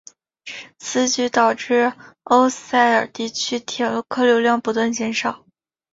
此举导致欧塞尔地区铁路客流量不断减少。